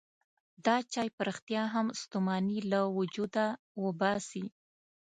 دا چای په رښتیا هم ستوماني له وجوده وباسي.